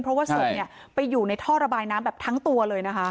เพราะว่าศพไปอยู่ในท่อระบายน้ำแบบทั้งตัวเลยนะคะ